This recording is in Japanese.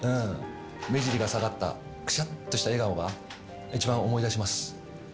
目尻が下がった、くしゃっとした笑顔が一番思い出します。